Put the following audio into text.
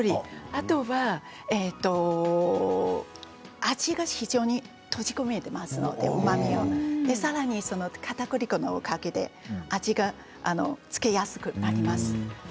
あとは味を非常に閉じ込めていますのでさらにかたくり粉のおかげで味が付きやすくなります。